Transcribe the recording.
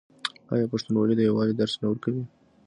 آیا پښتونولي د یووالي درس نه ورکوي؟